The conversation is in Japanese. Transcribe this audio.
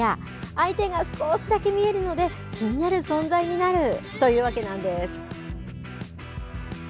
相手が少しだけ見えるので気になる存在になるというわけなんです。